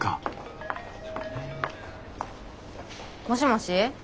もしもし。